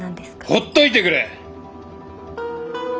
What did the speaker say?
ほっといてくれ！